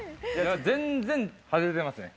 全然外れてますね。